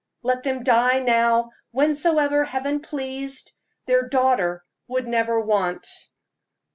Let them die now, whensoever Heaven pleased their daughter would never want.